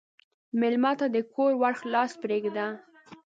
مېلمه ته د کور ور خلاص پرېږده.